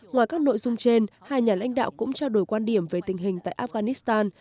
ngoài các nội dung trên hai nhà lãnh đạo cũng trao đổi quan điểm về tình hình tại afghanistan